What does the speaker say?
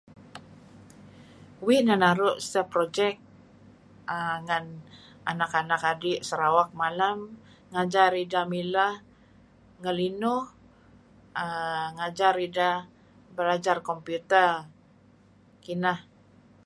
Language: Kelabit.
Uih neh naru' sah projek ngen anak-anak adi' Sarawak malem ngajar ideh mileh ngelinuh err ngajar ideh belajar computer. Kineh.